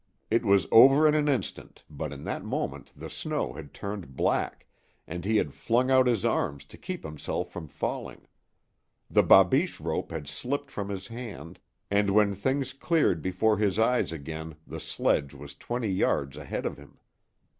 It was over in an instant, but in that moment the snow had turned black, and he had flung out his arms to keep himself from falling. The babiche rope had slipped from his hand, and when things cleared before his eyes again the sledge was twenty yards ahead of him.